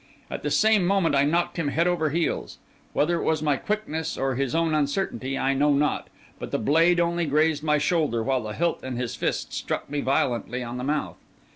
At the same moment I knocked him head over heels. Whether it was my quickness, or his own uncertainty, I know not; but the blade only grazed my shoulder, while the hilt and his fist struck me violently on the mouth.